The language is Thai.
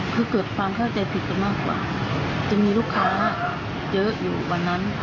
คือเกิดความเข้าใจผิดกันมากกว่าจะมีลูกค้าเยอะอยู่วันนั้น